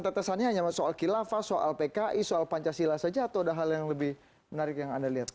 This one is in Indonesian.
tetesannya hanya soal khilafah soal pki soal pancasila saja atau ada hal yang lebih menarik yang anda lihat